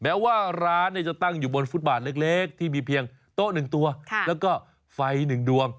แม้ว่าร้านจะตั้งอยู่บนฟุตบาทเล็กที่มีเพียงโต๊ะ๑ตัวแล้วก็ไฟ๑ดวง